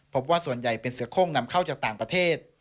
พบว่าส่วนใหญ่เป็นเสือโค้งนำเข้าจากต่างประเทศ